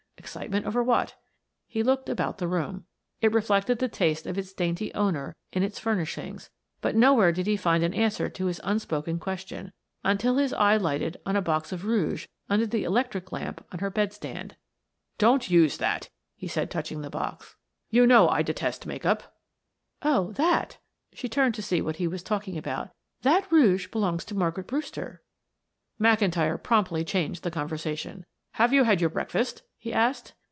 Excitement over what? He looked about the room; it reflected the taste of its dainty owner in its furnishings, but nowhere did he find an answer to his unspoken question, until his eye lighted on a box of rouge under the electric lamp on her bed stand. "Don't use that," he said, touching the box. "You know I detest make up." "Oh, that!" She turned to see what he was talking about. "That rouge belongs to Margaret Brewster." McIntyre promptly changed the conversation. "Have you had your breakfast?" he asked.